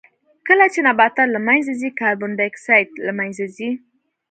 کله چې نباتات له منځه ځي کاربن ډای اکسایډ له منځه ځي.